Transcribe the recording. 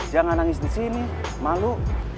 jangan nangis di sini malu